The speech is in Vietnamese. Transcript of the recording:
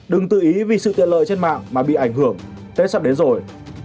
đừng tự ý vì sự tiện lợi trên mạng mà bị ảnh hưởng tết sắp đến rồi